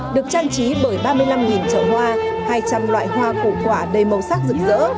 được trang trí bởi ba mươi năm chậu hoa hai trăm linh loại hoa củ quả đầy màu sắc rực rỡ